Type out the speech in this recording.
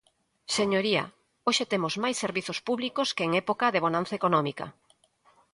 Señoría, hoxe temos máis servizos públicos que en época de bonanza económica.